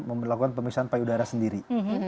melakukan pemisahan payudara sendiri